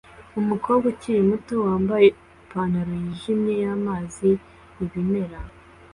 Umukobwa ukiri muto wambaye ipantaro yijimye yamazi ibimera